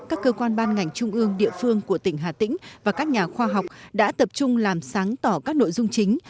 các cơ quan ban ngành trung ương địa phương của tỉnh hà tĩnh và các nhà khoa học đã tập trung làm sáng tỏ các nội dung chính